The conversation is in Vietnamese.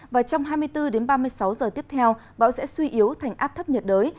và trong hai mươi bốn đến ba mươi sáu giờ tiếp theo bão sẽ suy yếu thành áp thấp nhiệt đới